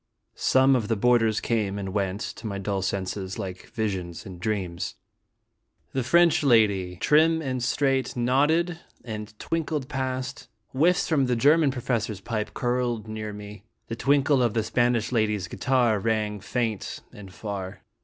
Some of the boarders came and went, to my dull senses like visions in dreams : the French lady, trim and straight, nodded and twinkled 132 l) HOratnalic in IUj] Resting. past, whiffs from the German professor's pipe curled near me, the tinkle of the Spanish lady's guitar rang faint and far.